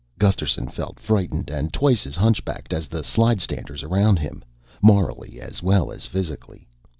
Gusterson felt frightened and twice as hunchbacked as the slidestanders around him morally as well as physically.